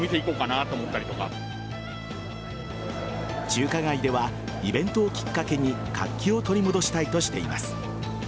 中華街ではイベントをきっかけに活気を取り戻したいとしています。